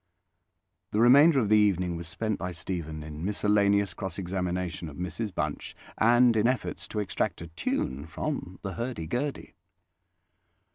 The remainder of the evening was spent by Stephen in miscellaneous cross examination of Mrs Bunch and in efforts to extract a tune from the hurdy gurdy.